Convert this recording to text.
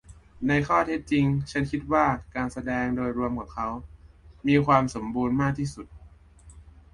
ในข้อเท็จจริง ฉันคิดว่าการแสดงโดยรวมของเขามีความสมบูรณ์มากที่สุด